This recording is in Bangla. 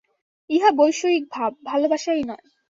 ইহা বৈষয়িক ভাব, ভালবাসাই নয়।